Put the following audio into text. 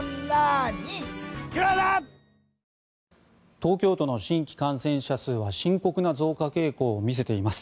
東京都の新規感染者数は深刻な増加傾向を見せています。